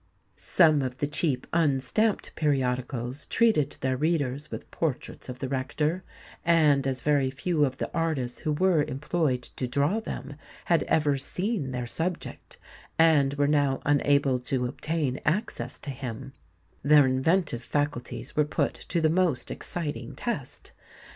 Some of the cheap unstamped periodicals treated their readers with portraits of the rector; and as very few of the artists who were employed to draw them had ever seen their subject, and were now unable to obtain access to him, their inventive faculties were put to the most exciting test.